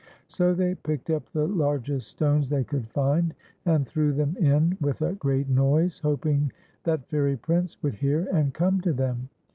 So they picked up the largest stones they could find, and threw them in with a great noise, hoping that Fairy Prince would hear and come to them.